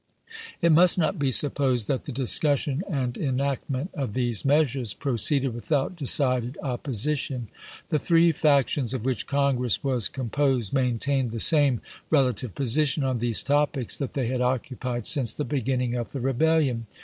It must not be supposed that the discussion and enactment of these measures proceeded without decided opposition. The three factions of which Congi'ess was composed maintained the same rela tive position on these topics that they had occupied since the beginning of the Rebellion.